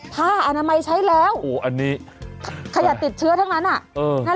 ผ้าอนามัยใช้แล้วโอ้อันนี้ขยะติดเชื้อทั้งนั้นอ่ะ